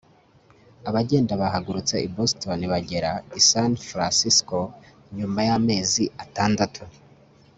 abagenda bahagurutse i boston bagera i san francisco nyuma y'amezi atandatu